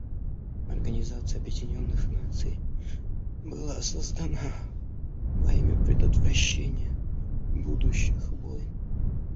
Организация Объединенных Наций была создана во имя предотвращения будущих войн.